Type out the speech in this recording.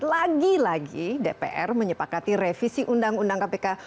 lagi lagi dpr menyepakati revisi undang undang kpk